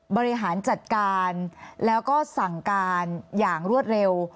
บริหารจัดการแล้วก็สั่งการอย่างรวดเร็ว